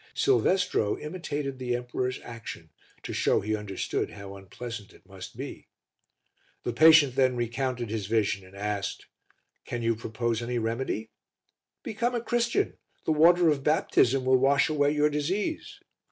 Silvestro imitated the emperor's action to show he understood how unpleasant it must be. The patient then recounted his vision and asked "Can you propose any remedy?" "Become a Christian. The water of baptism will wash away your disease."